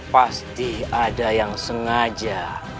pasti ada yang sengaja